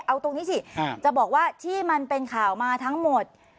เอาตรงนี้สิจะบอกว่าที่มันเป็นข่าวมาทั้งหมด